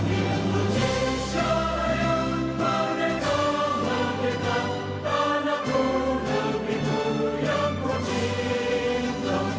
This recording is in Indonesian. indonesia raya mereka mereka tanahku dan ibu yang ku cinta